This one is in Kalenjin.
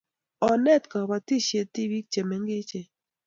Ongeet kaibisietab tibik che mengechen